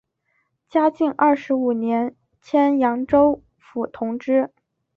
嘉靖二十五年迁扬州府同知。